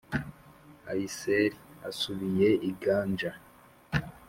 Aysel asubiye i Ganja